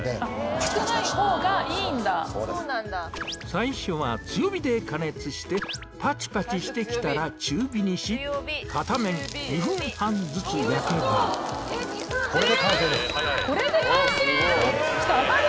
最初は強火で加熱してパチパチしてきたら中火にし片面２分半ずつ焼けばこれで完成？